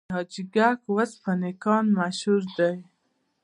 د حاجي ګک د وسپنې کان مشهور دی